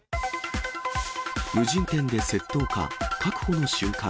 無人店で窃盗か、確保の瞬間。